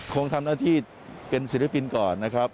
คงทำหน้าที่เป็นศิลปินก่อนนะครับ